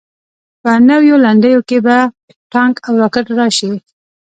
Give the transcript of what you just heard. په نویو لنډیو کې به ټانک او راکټ راشي.